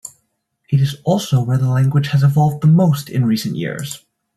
It is also where the language has evolved the most in recent years.